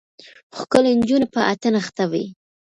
ښکلې نجونه په اتڼ اخته وې.